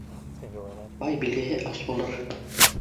Бай билгеһе аш булыр.